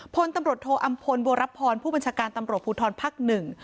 พลตำรวจโทอำพลบัวรับพรผู้บัญชาการตำรวจภูทรภักดิ์หนึ่ง